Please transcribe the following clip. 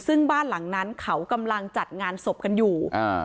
ซึ่งบ้านหลังนั้นเขากำลังจัดงานศพกันอยู่